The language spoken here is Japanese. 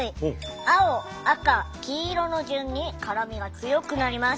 青赤黄色の順に辛みが強くなります。